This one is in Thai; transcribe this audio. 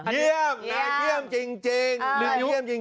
เยี่ยมนายเยี่ยมจริง